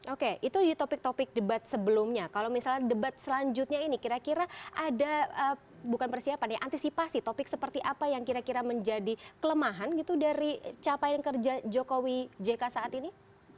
oke itu di topik topik debat sebelumnya kalau misalnya debat selanjutnya ini kira kira ada bukan persiapan ya antisipasi topik seperti apa yang kira kira menjadi kelemahan gitu dari capaian kerja jokowi jk saat ini